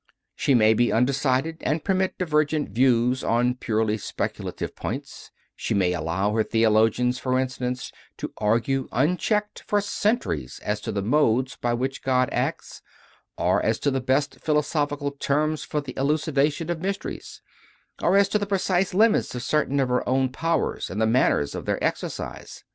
She may be undecided and permit divergent views on purely speculative points; she may allow her theologians, for instance, to argue, unchecked, for centuries as to the modes by which God acts, or as to the best philosophical terms for the elucidation of mysteries, or as to the precise limits of certain of her own powers and the manners of their exercise.